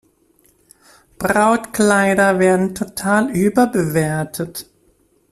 Brautkleider werden total überbewertet.